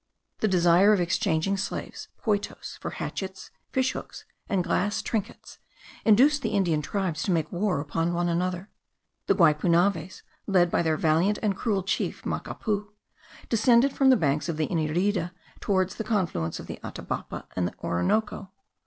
The desire of exchanging slaves (poitos) for hatchets, fish hooks, and glass trinkets, induced the Indian tribes to make war upon one another. The Guipunaves, led on by their valiant and cruel chief Macapu, descended from the banks of the Inirida towards the confluence of the Atabapo and the Orinoco.